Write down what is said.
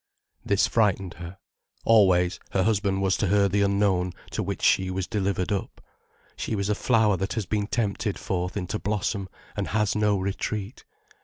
This frightened her. Always, her husband was to her the unknown to which she was delivered up. She was a flower that has been tempted forth into blossom, and has no retreat.